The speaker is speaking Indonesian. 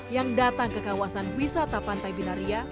yang datang ke kawasan wisata pantai binaria